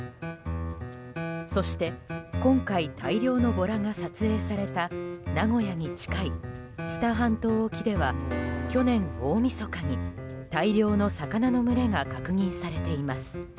そして今回、大量のボラが撮影された名古屋に近い知多半島沖では去年、大みそかに大量の魚の群れが確認されています。